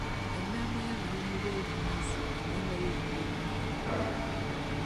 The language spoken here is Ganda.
Ennamba y'abalimu b'ebinazi egenda yeeyongera mu ggwanga.